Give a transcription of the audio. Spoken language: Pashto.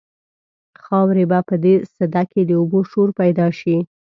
خاورې به په دې سده کې د اوبو شور پیدا شي.